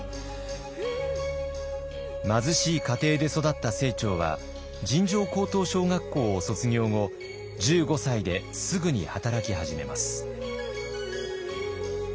貧しい家庭で育った清張は尋常高等小学校を卒業後１５歳ですぐに働き始めます。